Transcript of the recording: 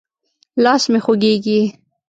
لاس مې خوږېږي.